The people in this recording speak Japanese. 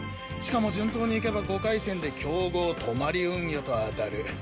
しかも順当にいけば５回戦で強豪トマリ運輸と当たる。